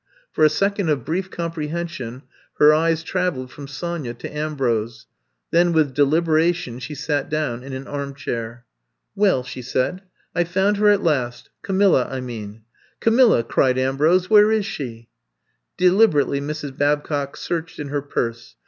For a second of brief comprehension he^ eyes traveled from Sonya to Ambrose, Then with deliberation she sat down in an armchair. ^*Well/' she said, *'I Ve found her at last — Camilla, I mean!'* Camilla I '' cried Ambrose. Where is she?'* Deliberately Mrs. Babcock searched in her purse.